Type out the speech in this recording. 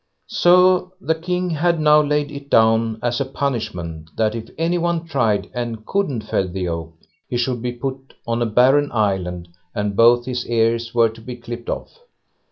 So the King had now laid it down as a punishment, that if any one tried and couldn't fell the oak, he should be put on a barren island, and both his ears were to be clipped off.